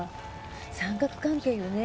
三角関係よね。